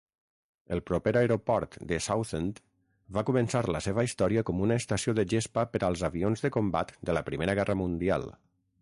El proper aeroport de Southend va començar la seva història com una estació de gespa per als avions de combat de la primera guerra mundial.